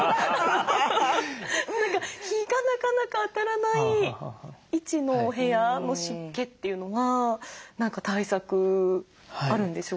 何か日がなかなか当たらない位置のお部屋の湿気というのは何か対策あるんでしょうか？